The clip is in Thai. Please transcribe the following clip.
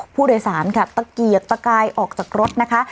ผู้โดยสารค่ะตะเกียกตะกายออกจากรถนะคะ